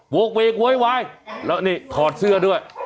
กเวกโวยวายแล้วนี่ถอดเสื้อด้วย